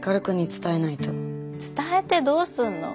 伝えてどうすんの？